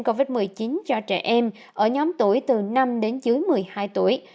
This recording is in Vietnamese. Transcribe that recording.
covid một mươi chín cho trẻ em ở nhóm tuổi từ năm đến dưới một mươi hai tuổi